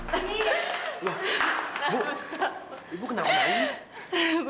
ibu kenapa ibu